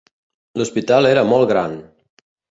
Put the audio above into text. L'hospital era molt gran